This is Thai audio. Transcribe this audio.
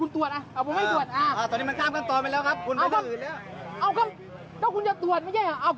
ต้องคุณจะต่วนไม่ใช่เหรอ